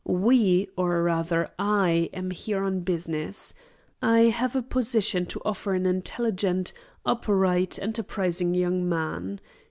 We or rather I am here on business. I have a position to offer to an intelligent, upright, enterprising young man.